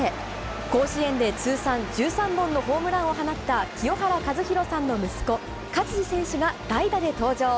甲子園で通算１３本のホームランを放った清原和博さんの息子、勝児選手が代打で登場。